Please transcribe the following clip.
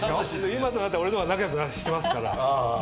今となっては俺の方が仲良くしてますから。